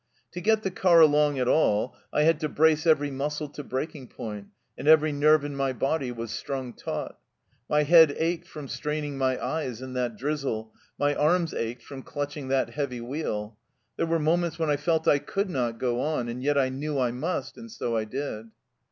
"To get the car along at all, I had to brace every muscle to breaking point, and every nerve in my body was strung taut. My head ached from straining my eyes in that drizzle, my arms ached from clutching that heavy wheel. There were moments when I felt I could not go on, and yet I knew I must, and so I did."